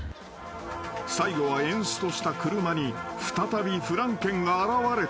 ［最後はエンストした車に再びフランケンが現れて］